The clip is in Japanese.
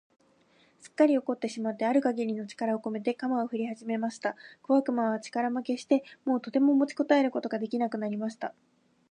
すっかり怒ってしまってある限りの力をこめて、鎌をふりはじました。小悪魔は力負けして、もうとても持ちこたえることが出来なくなりました。